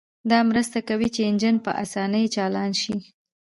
دا مرسته کوي چې انجن په اسانۍ چالان شي